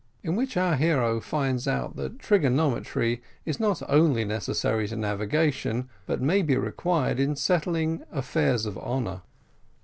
IN WHICH OUR HERO FINDS OUT THAT TRIGONOMETRY IS NOT ONLY NECESSARY TO NAVIGATION, BUT MAY BE REQUIRED IN SETTLING AFFAIRS OF HONOUR.